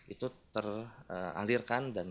itu teralirkan dan bisa